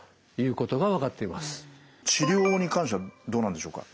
治療法に関してはどうなんでしょうか？